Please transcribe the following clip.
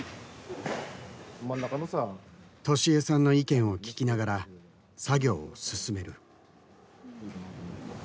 登志枝さんの意見を聞きながら作業を進める。